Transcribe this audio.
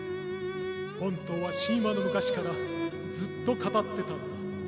本当は神話の昔からずっと語ってたんだ。